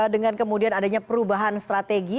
dengan kemudian adanya perubahan strategi